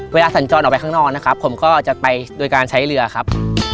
สัญจรออกไปข้างนอกนะครับผมก็จะไปโดยการใช้เรือครับ